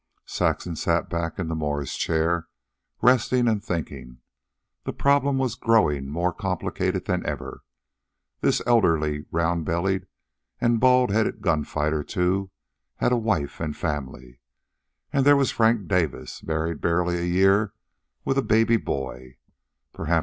Saxon sat back in the Morris chair, resting and thinking. The problem was growing more complicated than ever. This elderly, round bellied, and bald headed gunfighter, too, had a wife and family. And there was Frank Davis, married barely a year and with a baby boy.